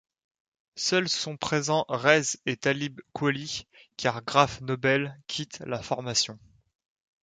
Seuls sont présents Res et Talib Kweli, car Graph Nobel quitte la formation.